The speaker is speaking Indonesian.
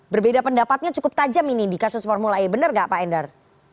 berbeda pendapatnya cukup tajam ini di kasus formula e benar gak pak endar